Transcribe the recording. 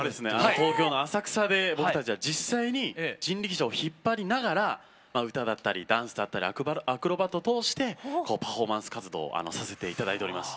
東京の浅草で僕たちは実際に人力車を引っ張りながら歌だったりダンスだったりアクロバットを通してパフォーマンス活動をさせて頂いております。